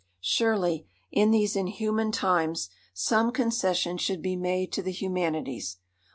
Surely, in these inhuman times, some concession should be made to the humanities.